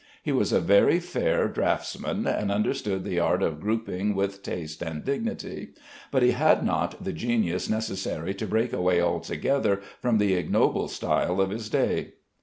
He was a very fair draughtsman, and understood the art of grouping with taste and dignity; but he had not the genius necessary to break away altogether from the ignoble style of his day.